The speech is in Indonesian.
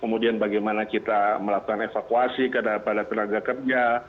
kemudian bagaimana kita melakukan evakuasi kepada tenaga kerja